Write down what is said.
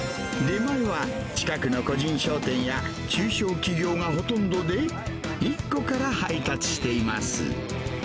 出前は、近くの個人商店や、中小企業がほとんどで、１個から配達しています。